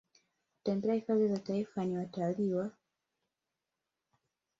kutembelea hifadhi za Taifa ni watalii wa